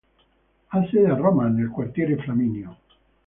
Ha sede a Roma, nel quartiere Flaminio.